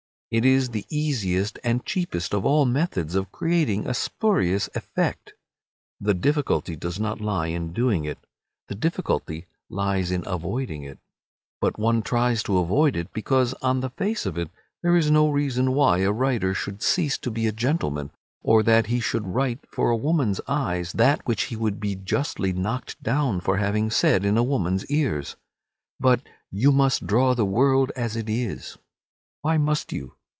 It is the easiest and cheapest of all methods of creating a spurious effect. The difficulty does not lie in doing it. The difficulty lies in avoiding it. But one tries to avoid it because on the face of it there is no reason why a writer should cease to be a gentleman, or that he should write for a woman's eyes that which he would be justly knocked down for having said in a woman's ears. But "you must draw the world as it is." Why must you?